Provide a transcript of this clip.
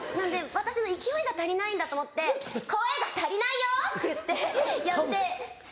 私の勢いが足りないんだと思って「声が足りないよ！」って言ってやってそ